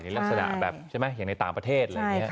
ลักษณะแบบอย่างในต่างประเทศ